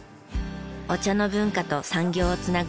お茶の文化と産業をつなぐ岩本さん。